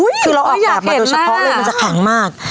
อุ๊ยคือเราออกแบบมาดูฉันเค้าเลยมันจะแข็งมาก